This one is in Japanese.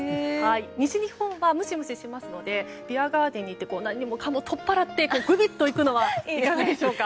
西日本はムシムシしますのでビアガーデンに行って何もかも取っ払ってグビッといくのはいかがでしょうか。